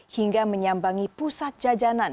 hingga menyambangi pusat jajanan